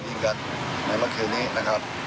ในเมื่อเกิดนี้นะครับ